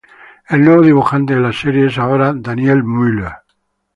El nuevo dibujante de la serie es ahora Daniel Müller.